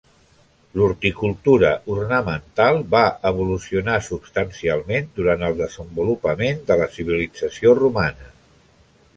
L'horticultura ornamental va evolucionar substancialment durant el desenvolupament de la civilització romana.